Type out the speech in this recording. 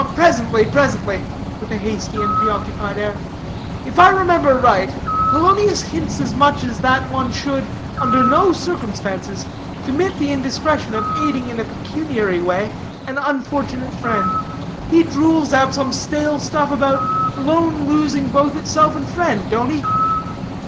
"Presently, presently," with a hasty and preoccupied air. "If I remember right, Polonius hints as much as that one should, under no circumstances, commit the indiscretion of aiding in a pecuniary way an unfortunate friend. He drules out some stale stuff about 'loan losing both itself and friend,' don't he?